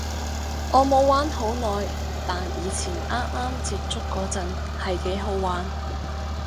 我冇玩好耐，但以前啱啱接觸嗰陣係幾好玩